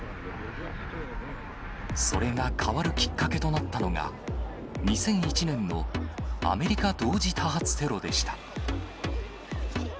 それが変わるきっかけとなったのが、２００１年のアメリカ同時多発テロでした。